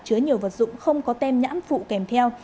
chứa nhiều vật dụng không có tem nhãn phụ kèm theo